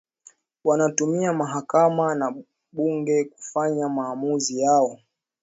Wanatumia mahakama na bunge kufanya maamuzi yao